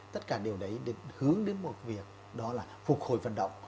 tất cả điều đấy để hướng đến một việc đó là phục hồi vận động